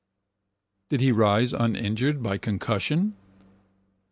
Did he rise uninjured by concussion?